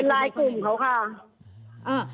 เป็นไลน์กลุ่มเขาค่ะ